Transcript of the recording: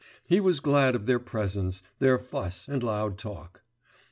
He was glad of their presence, their fuss, and loud talk.